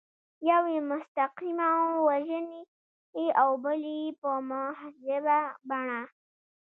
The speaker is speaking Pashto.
یو یې مستقیماً وژني او بل یې په مهذبه بڼه.